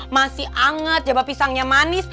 masih anget jaba pisangnya manis